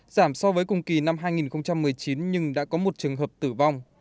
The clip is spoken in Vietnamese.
giảm so với cùng kỳ năm hai nghìn một mươi chín nhưng đã có một trường hợp tử vong